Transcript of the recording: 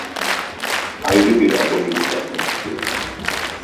Ayrı bi abonelik yapmak istiyorum